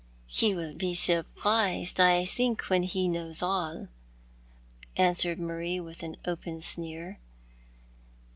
" He will bo surprised, I think, when he knows all," ansTvcrcd Mario, with an open sneer.